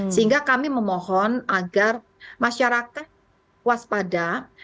sehingga kami memohon agar masyarakat waspada